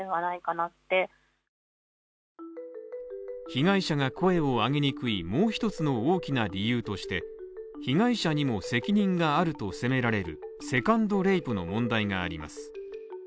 被害者が声を上げにくいもう一つの大きな理由として被害者にも責任があると責められるセカンドレイプの問題があります。